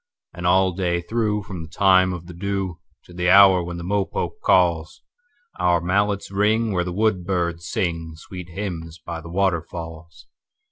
And all day through, from the time of the dewTo the hour when the mopoke calls, Our mallets ring where the woodbirds singSweet hymns by the waterfalls.